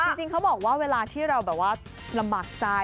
จริงเขาบอกว่าเวลาที่เราแบบว่าลำบากใจ